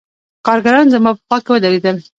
کارګران زما په خوا کښې ودرېدل.